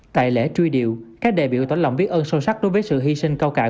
tại lễ truy điệu các đại biểu tỏ lòng biết ơn sâu sắc đối với sự hy sinh cao cả